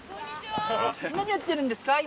何やってるんですか？